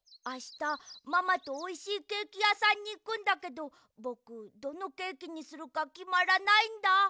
あしたママとおいしいケーキやさんにいくんだけどぼくどのケーキにするかきまらないんだ。